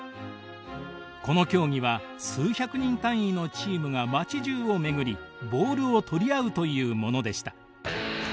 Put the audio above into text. この競技は数百人単位のチームが街じゅうを巡りボールを取り合うというものでした。